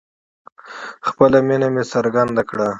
خپله مینه مې څرګنده کړه